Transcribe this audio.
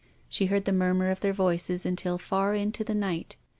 She heard the murmur of their voices until far into the night.